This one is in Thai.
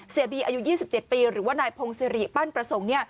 บีอายุ๒๗ปีหรือว่านายพงศิริปั้นประสงค์